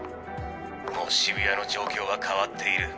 もう渋谷の状況は変わっている。